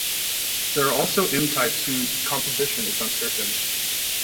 There are also M-types whose composition is uncertain.